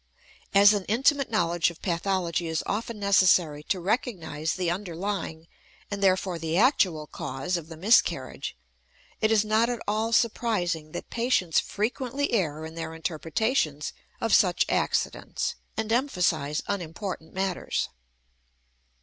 As an intimate knowledge of pathology is often necessary to recognize the underlying, and therefore the actual, cause of the miscarriage, it is not at all surprising that patients frequently err in their interpretations of such accidents, and emphasize unimportant matters.